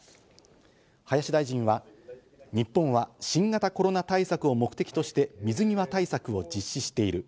林大臣は、日本は新型コロナ対策を目的として水際対策を実施している。